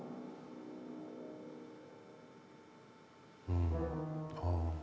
うんああ。